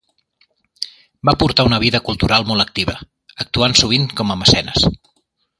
Va portar una vida cultural molt activa, actuant sovint com a mecenes.